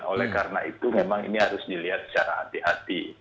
oleh karena itu memang ini harus dilihat secara hati hati